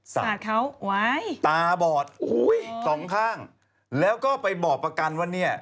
สาหัสเขาตาบอด๒ข้างแล้วก็ไปบอกประกันว่าเนี่ย